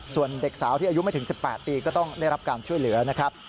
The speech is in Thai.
ส่วนเด็กสาวที่อายุไม่ถึง๑๘ปีก็ต้องได้รับการช่วยเหลือนะครับ